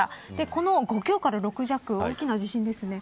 この５強から６弱の大きな地震ですね。